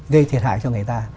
gây thiệt hại cho người ta